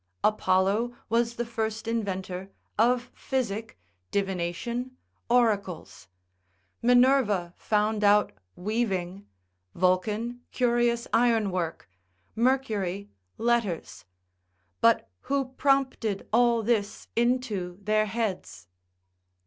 Apollo was the first inventor of physic, divination, oracles; Minerva found out weaving, Vulcan curious ironwork, Mercury letters, but who prompted all this into their heads?